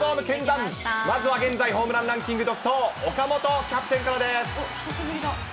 まずは現在ホームランランキング独走、岡本キャプテンからです。